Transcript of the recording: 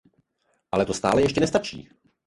Ale to stále ještě nestačí.